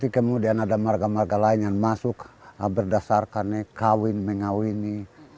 kemudian ada marga marga lain yang masuk berdasarkan kawin mengawini